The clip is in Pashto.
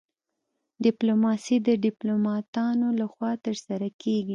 ډیپلوماسي د ډیپلوماتانو لخوا ترسره کیږي